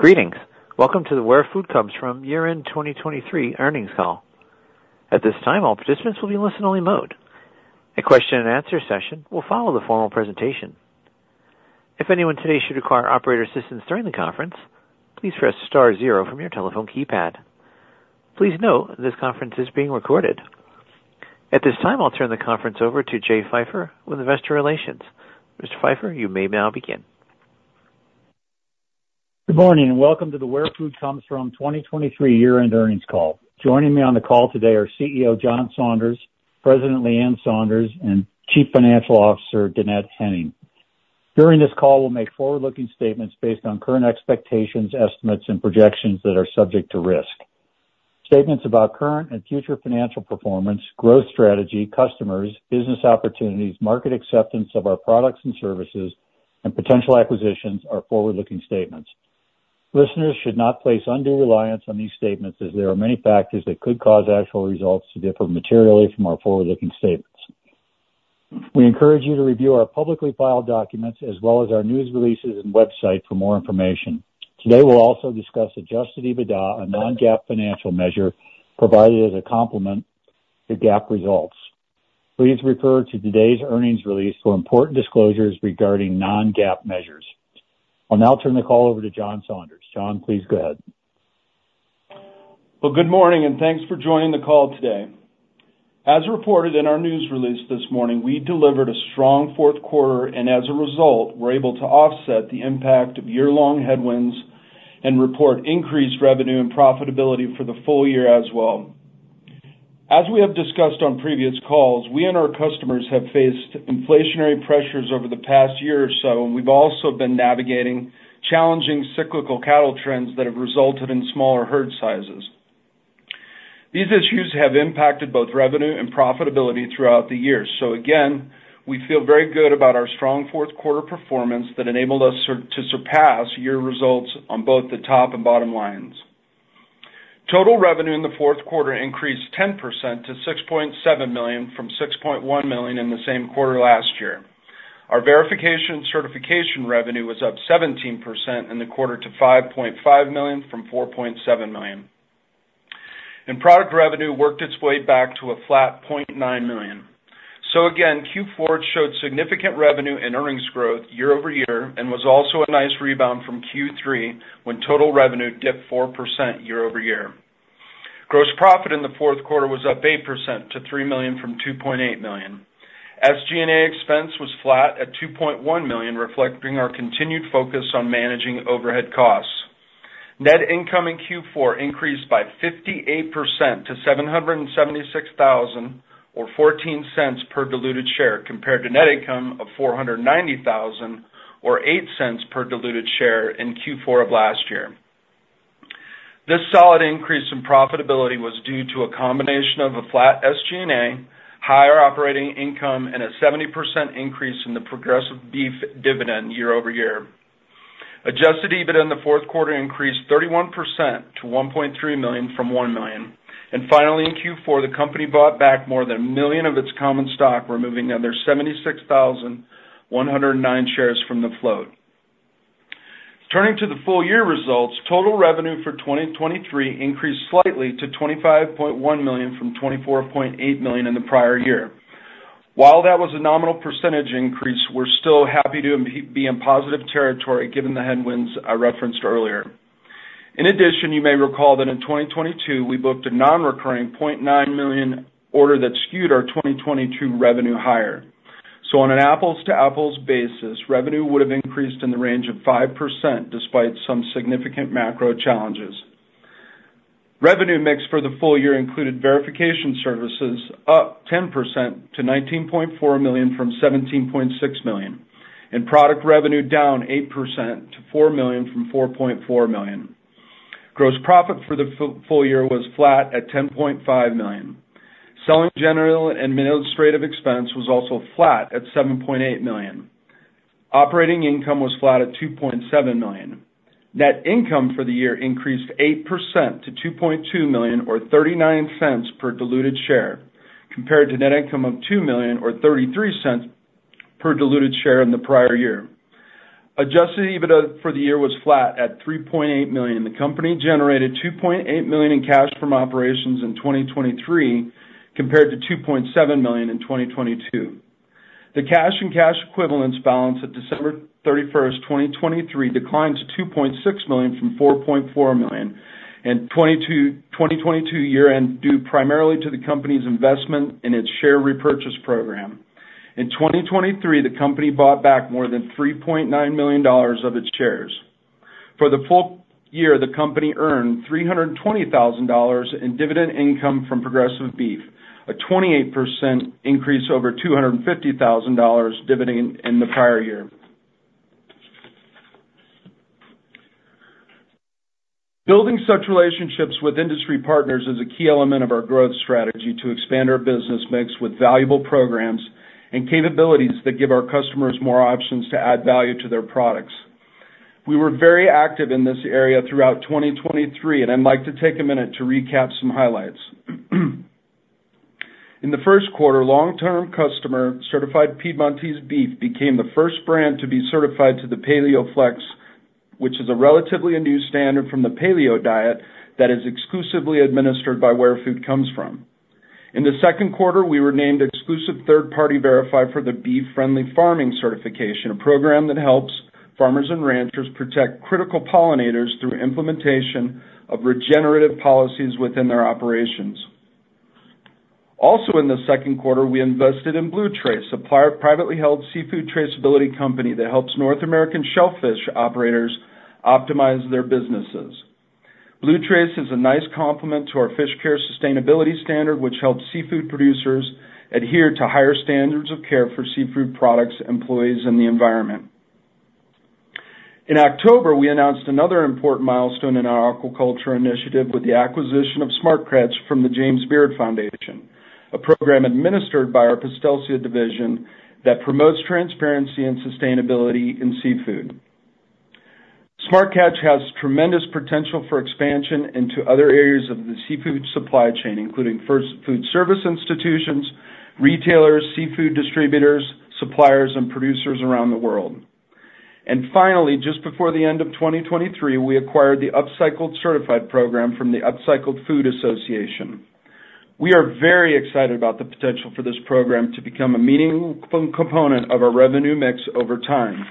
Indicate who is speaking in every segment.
Speaker 1: Greetings. Welcome to the Where Food Comes From Year-End 2023 Earnings Call. At this time, all participants will be in listen-only mode. A question-and-answer session will follow the formal presentation. If anyone today should require operator assistance during the conference, please press star zero from your telephone keypad. Please note, this conference is being recorded. At this time, I'll turn the conference over to Jay Pfeiffer with Investor Relations. Mr. Pfeiffer, you may now begin.
Speaker 2: Good morning, and welcome to the Where Food Comes From 2023 Year-End Earnings Call. Joining me on the call today are CEO John Saunders, President Leann Saunders, and Chief Financial Officer Dannette Henning. During this call, we'll make forward-looking statements based on current expectations, estimates, and projections that are subject to risk. Statements about current and future financial performance, growth strategy, customers, business opportunities, market acceptance of our products and services, and potential acquisitions are forward-looking statements. Listeners should not place undue reliance on these statements as there are many factors that could cause actual results to differ materially from our forward-looking statements. We encourage you to review our publicly filed documents as well as our news releases and website for more information. Today, we'll also discuss Adjusted EBITDA, a non-GAAP financial measure provided as a complement to GAAP results. Please refer to today's earnings release for important disclosures regarding non-GAAP measures. I'll now turn the call over to John Saunders. John, please go ahead.
Speaker 3: Well, good morning, and thanks for joining the call today. As reported in our news release this morning, we delivered a strong fourth quarter, and as a result, we're able to offset the impact of year-long headwinds and report increased revenue and profitability for the full year as well. As we have discussed on previous calls, we and our customers have faced inflationary pressures over the past year or so, and we've also been navigating challenging cyclical cattle trends that have resulted in smaller herd sizes. These issues have impacted both revenue and profitability throughout the year. So again, we feel very good about our strong fourth quarter performance that enabled us to surpass year results on both the top and bottom lines. Total revenue in the fourth quarter increased 10%-$6.7 million from $6.1 million in the same quarter last year. Our verification and certification revenue was up 17% in the quarter to $5.5 million from $4.7 million. Product revenue worked its way back to a flat $0.9 million. Again, Q4 showed significant revenue and earnings growth year-over-year and was also a nice rebound from Q3, when total revenue dipped 4% year-over-year. Gross profit in the fourth quarter was up 8%-$3 million from $2.8 million. SG&A expense was flat at $2.1 million, reflecting our continued focus on managing overhead costs. Net income in Q4 increased by 58% to $776,000, or $0.14 per diluted share, compared to net income of $490,000, or $0.08 per diluted share in Q4 of last year. This solid increase in profitability was due to a combination of a flat SG&A, higher operating income, and a 70% increase in the Progressive Beef dividend year-over-year. Adjusted EBITDA in the fourth quarter increased 31% to $1.3 million from $1 million. And finally, in Q4, the company bought back more than one million of its common stock, removing another 76,109 shares from the float. Turning to the full-year results, total revenue for 2023 increased slightly to $25.1 million from $24.8 million in the prior year. While that was a nominal percentage increase, we're still happy to be in positive territory given the headwinds I referenced earlier. In addition, you may recall that in 2022, we booked a nonrecurring $0.9 million order that skewed our 2022 revenue higher. So on an apples-to-apples basis, revenue would have increased in the range of 5%, despite some significant macro challenges. Revenue mix for the full year included verification services up 10% to $19.4 million from $17.6 million, and product revenue down 8% to $4 million from $4.4 million. Gross profit for the full year was flat at $10.5 million. Selling, general, and administrative expense was also flat at $7.8 million. Operating income was flat at $2.7 million. Net income for the year increased 8% to $2.2 million, or $0.39 per diluted share, compared to net income of $2 million or $0.33 per diluted share in the prior year. Adjusted EBITDA for the year was flat at $3.8 million. The company generated $2.8 million in cash from operations in 2023, compared to $2.7 million in 2022. The cash and cash equivalents balance at December 31, 2023, declined to $2.6 million from $4.4 million in 2022 year-end, due primarily to the company's investment in its share repurchase program. In 2023, the company bought back more than $3.9 million of its shares. For the full year, the company earned $320,000 in dividend income from Progressive Beef, a 28% increase over $250,000 dividend in the prior year. Building such relationships with industry partners is a key element of our growth strategy to expand our business mix with valuable programs and capabilities that give our customers more options to add value to their products. We were very active in this area throughout 2023, and I'd like to take a minute to recap some highlights. ...In the first quarter, long-term customer, Certified Piedmontese Beef, became the first brand to be certified to the PaleoFLEX, which is a relatively new standard from the Paleo diet that is exclusively administered by Where Food Comes From. In the second quarter, we were named exclusive third-party verifier for the Bee Friendly Farming Certification, a program that helps farmers and ranchers protect critical pollinators through implementation of regenerative policies within their operations. Also, in the second quarter, we invested in BlueTrace, a privately held seafood traceability company that helps North American shellfish operators optimize their businesses. BlueTrace is a nice complement to our FishCARE Sustainability Standard, which helps seafood producers adhere to higher standards of care for seafood products, employees, and the environment. In October, we announced another important milestone in our aquaculture initiative with the acquisition of Smart Catch from the James Beard Foundation, a program administered by our Postelsia division that promotes transparency and sustainability in seafood. Smart Catch has tremendous potential for expansion into other areas of the seafood supply chain, including first food service institutions, retailers, seafood distributors, suppliers, and producers around the world. And finally, just before the end of 2023, we acquired the Upcycled Certified program from the Upcycled Food Association. We are very excited about the potential for this program to become a meaningful component of our revenue mix over time.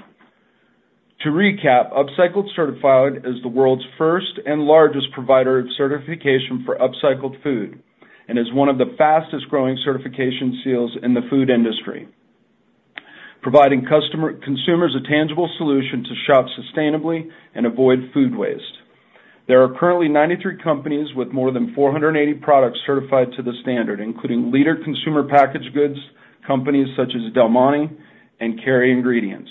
Speaker 3: To recap, Upcycled Certified is the world's first and largest provider of certification for upcycled food and is one of the fastest-growing certification seals in the food industry, providing consumers a tangible solution to shop sustainably and avoid food waste. There are currently 93 companies with more than 480 products certified to the standard, including leading consumer packaged goods companies such as Del Monte and Kerry Ingredients.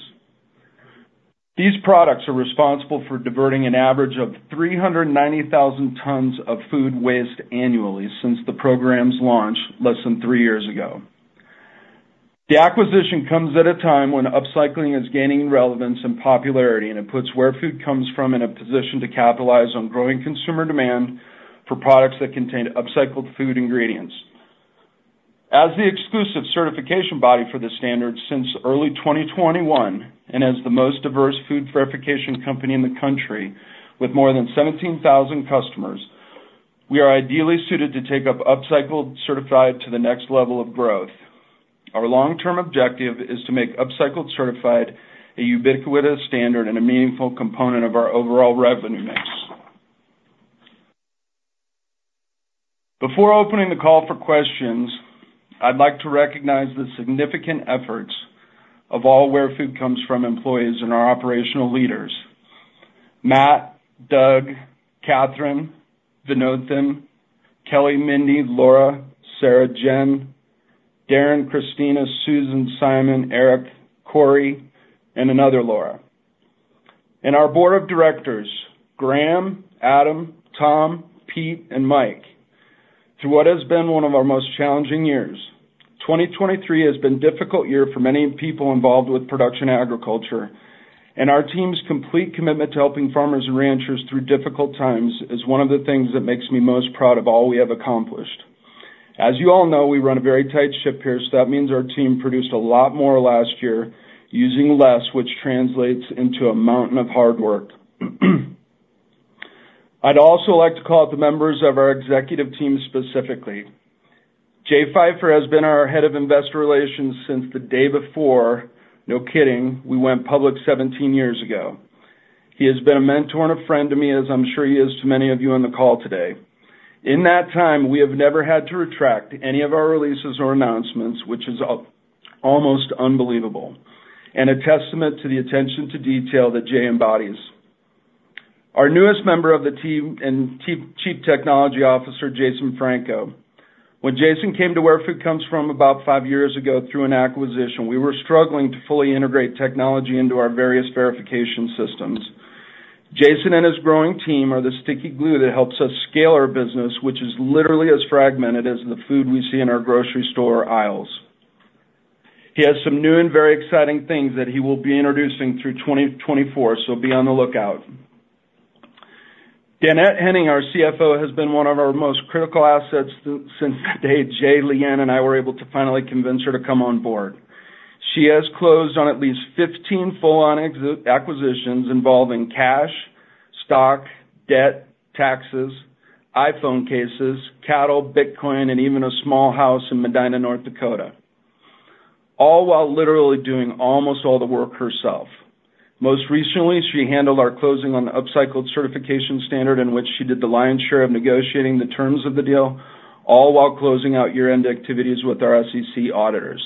Speaker 3: These products are responsible for diverting an average of 390,000 tons of food waste annually since the program's launch less than three years ago. The acquisition comes at a time when upcycling is gaining relevance and popularity, and it puts Where Food Comes From in a position to capitalize on growing consumer demand for products that contain upcycled food ingredients. As the exclusive certification body for the standard since early 2021, and as the most diverse food verification company in the country, with more than 17,000 customers, we are ideally suited to take Upcycled Certified to the next level of growth. Our long-term objective is to make Upcycled Certified a ubiquitous standard and a meaningful component of our overall revenue mix. Before opening the call for questions, I'd like to recognize the significant efforts of all Where Food Comes From employees and our operational leaders, Matt, Doug, Catherine, Vinodthan, Kelly, Mindy, Laura, Sarah, Jen, Darren, Christina, Susan, Simon, Eric, Corey, and another Laura. And our board of directors, Graham, Adam, Tom, Pete, and Mike, through what has been one of our most challenging years. 2023 has been a difficult year for many people involved with production agriculture, and our team's complete commitment to helping farmers and ranchers through difficult times is one of the things that makes me most proud of all we have accomplished. As you all know, we run a very tight ship here, so that means our team produced a lot more last year, using less, which translates into a mountain of hard work. I'd also like to call out the members of our executive team specifically. Jay Pfeiffer has been our head of investor relations since the day before, no kidding, we went public 17 years ago. He has been a mentor and a friend to me, as I'm sure he is to many of you on the call today. In that time, we have never had to retract any of our releases or announcements, which is almost unbelievable, and a testament to the attention to detail that Jay embodies. Our newest member of the team and Chief Technology Officer Jason Franco. When Jason came to Where Food Comes From about five years ago through an acquisition, we were struggling to fully integrate technology into our various verification systems. Jason and his growing team are the sticky glue that helps us scale our business, which is literally as fragmented as the food we see in our grocery store aisles. He has some new and very exciting things that he will be introducing through 2024, so be on the lookout. Dannette Henning, our CFO, has been one of our most critical assets since the day Jay, Leann, and I were able to finally convince her to come on board. She has closed on at least 15 full-on acquisitions involving cash, stock, debt, taxes, iPhone cases, cattle, Bitcoin, and even a small house in Medina, North Dakota, all while literally doing almost all the work herself. Most recently, she handled our closing on the Upcycled Certification Standard, in which she did the lion's share of negotiating the terms of the deal, all while closing out year-end activities with our SEC auditors.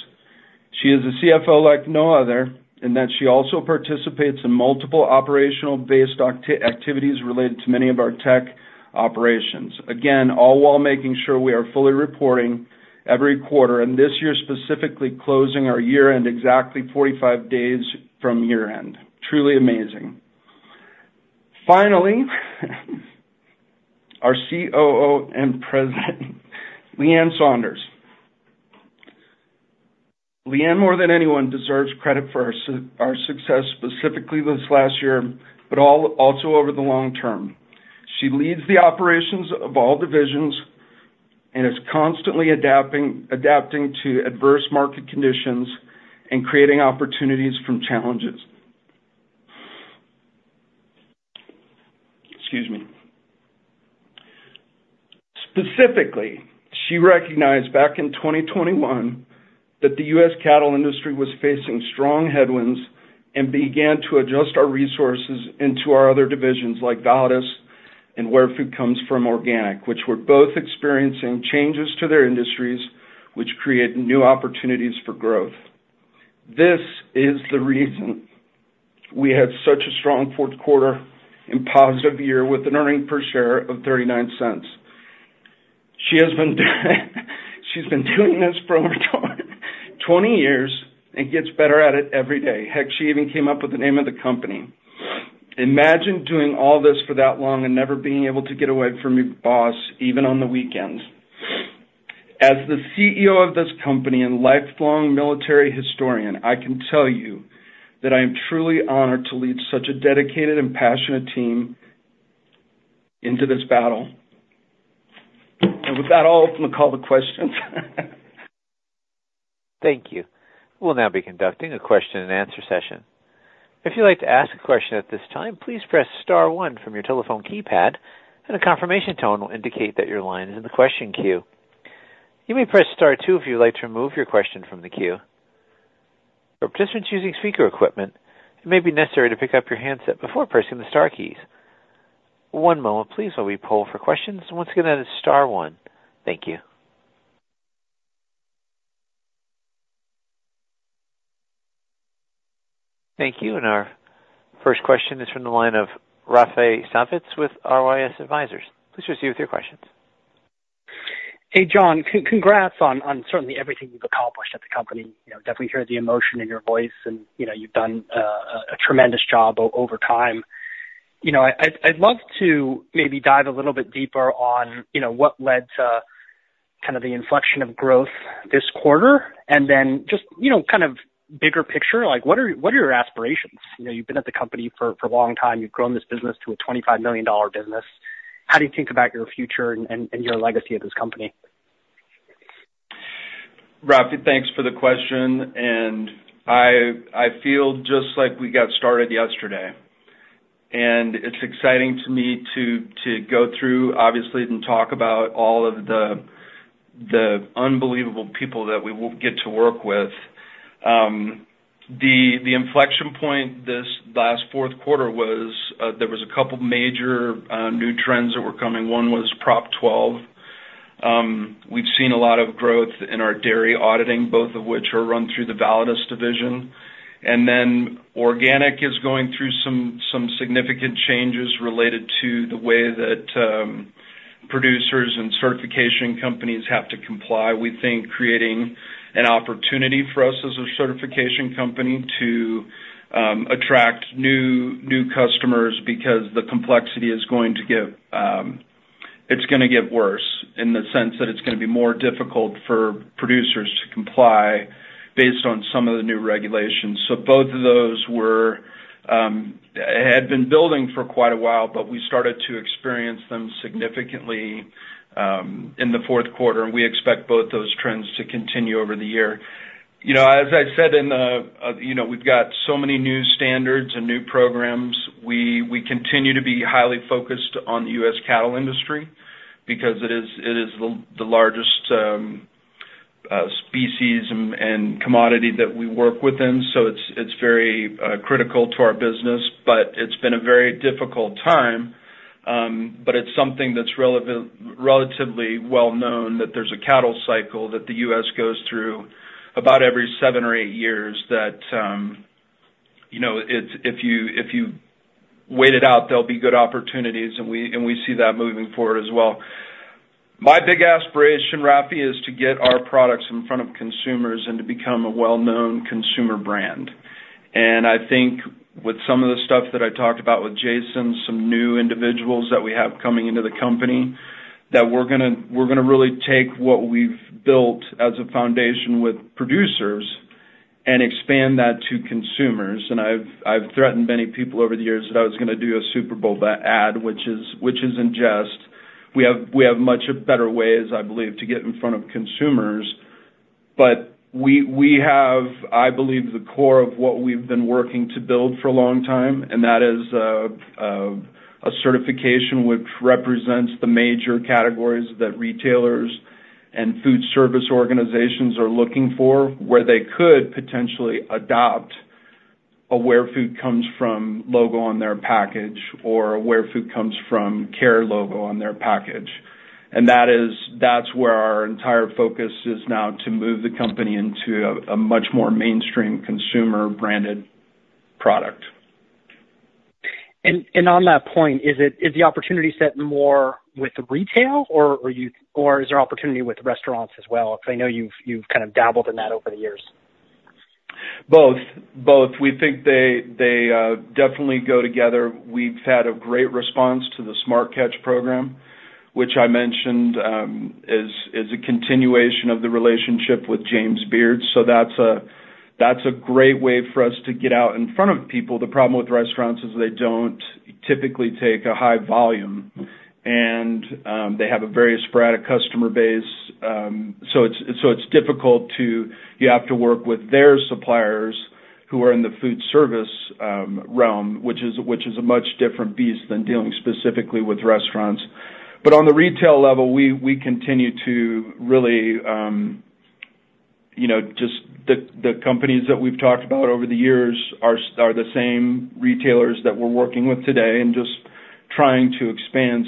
Speaker 3: She is a CFO like no other, in that she also participates in multiple operational-based activities related to many of our tech operations. Again, all while making sure we are fully reporting every quarter, and this year, specifically closing our year-end exactly 45 days from year-end. Truly amazing. Finally, our COO and President, Leann Saunders. Leann, more than anyone, deserves credit for our success, specifically this last year, but also over the long term. She leads the operations of all divisions and is constantly adapting to adverse market conditions and creating opportunities from challenges. Excuse me. Specifically, she recognized back in 2021 that the U.S. cattle industry was facing strong headwinds and began to adjust our resources into our other divisions, like Validus and Where Food Comes From Organic, which were both experiencing changes to their industries, which created new opportunities for growth. This is the reason we had such a strong fourth quarter and positive year, with an earnings per share of $0.39. She has been doing this for over 20 years and gets better at it every day. Heck, she even came up with the name of the company. Imagine doing all this for that long and never being able to get away from your boss, even on the weekends. As the CEO of this company and lifelong military historian, I can tell you that I am truly honored to lead such a dedicated and passionate team into this battle. With that, I'll open the call to questions.
Speaker 1: Thank you. We'll now be conducting a question and answer session. If you'd like to ask a question at this time, please press star one from your telephone keypad, and a confirmation tone will indicate that your line is in the question queue. You may press star two if you'd like to remove your question from the queue. For participants using speaker equipment, it may be necessary to pick up your handset before pressing the star keys. One moment, please, while we poll for questions. And once again, that is star one. Thank you. Thank you. And our first question is from the line of Raphi Savitz with RYS Advisors. Please proceed with your questions.
Speaker 4: Hey, John, congrats on certainly everything you've accomplished at the company. You know, definitely hear the emotion in your voice, and, you know, you've done a tremendous job over time. You know, I'd love to maybe dive a little bit deeper on, you know, what led to kind of the inflection of growth this quarter, and then just, you know, kind of bigger picture, like, what are your aspirations? You know, you've been at the company for a long time. You've grown this business to a $25 million business. How do you think about your future and your legacy at this company?
Speaker 3: Raphi, thanks for the question, and I, I feel just like we got started yesterday. And it's exciting to me to, to go through, obviously, and talk about all of the, the unbelievable people that we get to work with. The inflection point this last fourth quarter was, there was a couple major, new trends that were coming. One was Prop 12. We've seen a lot of growth in our dairy auditing, both of which are run through the Validus division. And then organic is going through some significant changes related to the way that producers and certification companies have to comply. We think creating an opportunity for us as a certification company to attract new customers because the complexity is going to get. It's gonna get worse in the sense that it's gonna be more difficult for producers to comply based on some of the new regulations. So both of those had been building for quite a while, but we started to experience them significantly in the fourth quarter, and we expect both those trends to continue over the year. You know, as I said in the... You know, we've got so many new standards and new programs. We continue to be highly focused on the U.S. cattle industry because it is the largest species and commodity that we work within, so it's very critical to our business. But it's been a very difficult time, but it's something that's relatively well known that there's a cattle cycle that the U.S. goes through about every seven or eight years, that, you know, it's, if you, if you wait it out, there'll be good opportunities, and we, and we see that moving forward as well. My big aspiration, Raphi, is to get our products in front of consumers and to become a well-known consumer brand. And I think with some of the stuff that I talked about with Jason, some new individuals that we have coming into the company, that we're gonna, we're gonna really take what we've built as a foundation with producers and expand that to consumers. And I've, I've threatened many people over the years that I was gonna do a Super Bowl ad, which is, which is in jest. We have much better ways, I believe, to get in front of consumers. But we have, I believe, the core of what we've been working to build for a long time, and that is a certification which represents the major categories that retailers and food service organizations are looking for, where they could potentially adopt a Where Food Comes From logo on their package or Where Food Comes From CARE logo on their package. And that is, that's where our entire focus is now, to move the company into a much more mainstream consumer-branded product.
Speaker 4: On that point, is the opportunity set more with the retail, or is there opportunity with restaurants as well? Because I know you've kind of dabbled in that over the years.
Speaker 3: Both. Both. We think they definitely go together. We've had a great response to the Smart Catch program, which I mentioned, is a continuation of the relationship with James Beard. So that's a great way for us to get out in front of people. The problem with restaurants is they don't typically take a high volume, and they have a very sporadic customer base. So it's difficult to... You have to work with their suppliers who are in the food service realm, which is a much different beast than dealing specifically with restaurants. But on the retail level, we continue to really, you know, just the companies that we've talked about over the years are the same retailers that we're working with today and just trying to expand.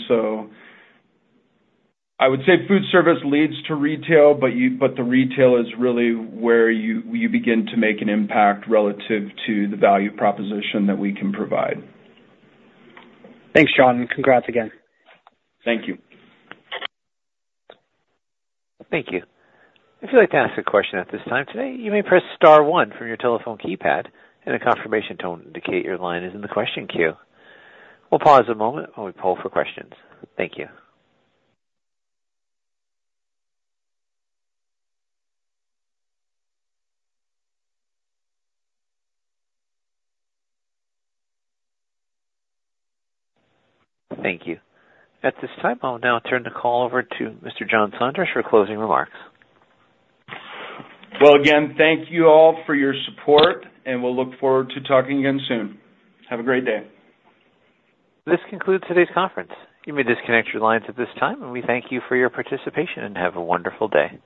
Speaker 3: I would say food service leads to retail, but the retail is really where you begin to make an impact relative to the value proposition that we can provide.
Speaker 4: Thanks, John, and congrats again.
Speaker 3: Thank you.
Speaker 1: Thank you. If you'd like to ask a question at this time today, you may press star one from your telephone keypad, and a confirmation tone will indicate your line is in the question queue. We'll pause a moment while we poll for questions. Thank you. Thank you. At this time, I'll now turn the call over to Mr. John Saunders for closing remarks.
Speaker 3: Well, again, thank you all for your support, and we'll look forward to talking again soon. Have a great day.
Speaker 1: This concludes today's conference. You may disconnect your lines at this time, and we thank you for your participation, and have a wonderful day.